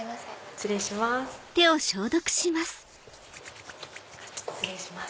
失礼します。